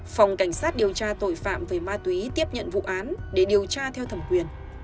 phòng cảnh sát điều tra tội phạm về ma túy tiếp nhận vụ án để điều tra theo thẩm quyền